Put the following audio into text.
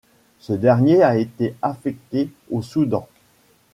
Ce dernier a été affecté au Soudan.